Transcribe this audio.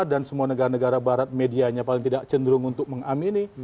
dan semua negara negara barat medianya paling tidak cenderung untuk mengamini